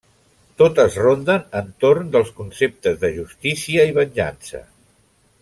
Totes ronden entorn dels conceptes de justícia i venjança.